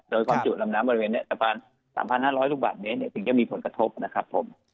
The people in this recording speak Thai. โดยการจุดลำน้ำบริเวณ๓๕๐๐ลูกบาทเนี่ยเนี่ยจะมีผลกระทบนะครับผม